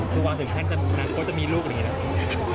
คือวางแผนจากอนาคตจะมีลูกอย่างนี้หรือ